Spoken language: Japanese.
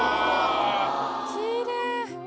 きれい。